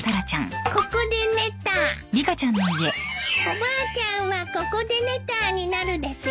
おばあちゃんはココデネターになるですよ。